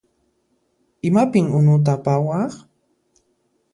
Imapin unuta apawaq?